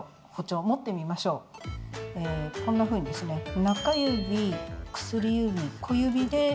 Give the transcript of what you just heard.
こんなふうにですね